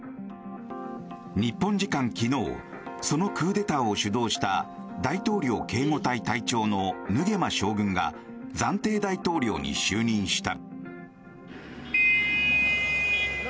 日本時間昨日そのクーデターを主導した大統領警護隊隊長のヌゲマ将軍が暫定大統領に就任した。